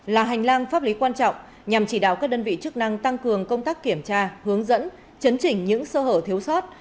là hành lang pháp lý quan trọng nhằm chỉ đạo các đơn vị chức năng tăng cường công tác kiểm tra hướng dẫn chấn chỉnh những sơ hở thiếu sót